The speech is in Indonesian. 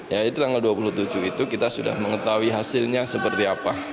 ya itu tanggal dua puluh tujuh itu kita sudah mengetahui hasilnya seperti apa